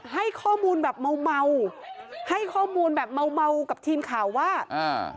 ให้ข้อมูลแบบเมาเมาให้ข้อมูลแบบเมาเมากับทีมข่าวว่าอ่า